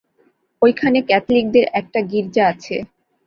ঐখানে ক্যাথলিকদের একটা গির্জা আছে।